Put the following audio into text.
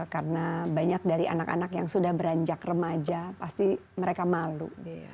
karena banyak dari anak anak yang sudah beranjak remaja pasti mereka malu